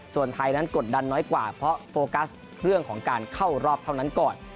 ส่วนไทยนั้นกดดันน้อยกว่าเพราะโฟกัสเรื่องของการเข้ารอบเท่านั้นก่อน